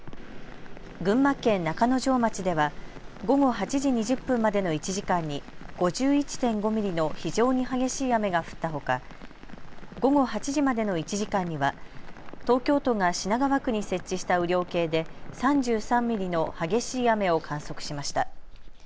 群馬県中之条町では午後８時２０分までの１時間に５１．５ミリの非常に激しい雨が降ったほか午後８時までの１時間には東京都が品川区に設置した雨量計で３３ミリの激しい雨を観測しました。